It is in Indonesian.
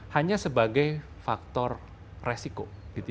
hanya sebagai faktor resiko